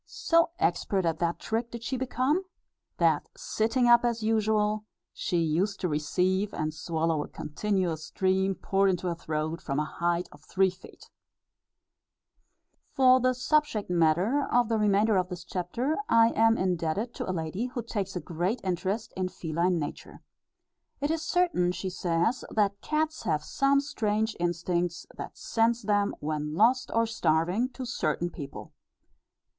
So expert at that trick did she become, that, sitting up as usual, she used to receive and swallow a continuous stream poured into her throat from a height of three feet. (See Note X, Addenda.) For the subject matter, of the remainder of this chapter, I am indebted to a lady who takes a great interest in feline nature. (See Note H, Addenda.) "It is certain," she says, "that cats have some strange instinct, that sends them, when lost or starving, to certain people.